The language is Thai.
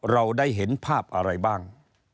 เราได้เห็นภาพอะไรบ้าง